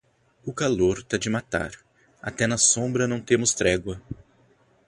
O calor tá de matar, até na sombra não temos trégua.